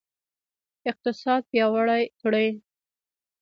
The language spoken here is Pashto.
اقتصاد پیاوړی کړئ